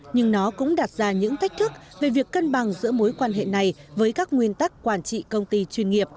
nhưng nó cũng đặt ra những thách thức về việc cân bằng giữa mối quan hệ này với các nguyên tắc quản trị công ty chuyên nghiệp